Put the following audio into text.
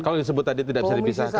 kalau disebut tadi tidak bisa dipisahkan